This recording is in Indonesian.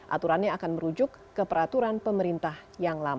aturannya akan merujuk ke peraturan pemerintah yang lama